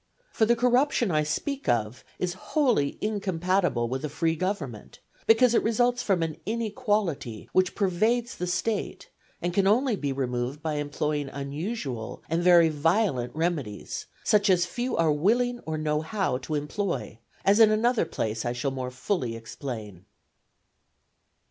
For the corruption I speak of, is wholly incompatible with a free government, because it results from an inequality which pervades the State and can only be removed by employing unusual and very violent remedies, such as few are willing or know how to employ, as in another place I shall more fully explain.